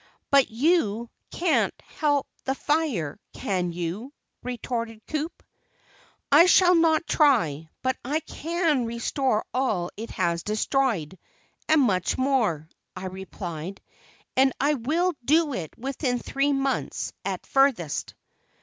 "But you can't help the fire, can you?" retorted Coup. "I shall not try, but I can restore all it has destroyed, and much more," I replied; "and I will do it within three months at furthest."